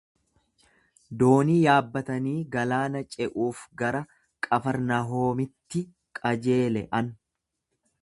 Doonii yaabbatanii galaana ce’uuf gara Qafarnahoomitti qajeelean.